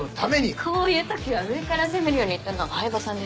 こういう時は上から攻めるように言ったのは饗庭さんです。